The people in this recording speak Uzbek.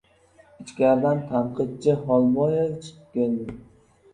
Ichkaridan tanqidchi Xolboyev chiqib keldi.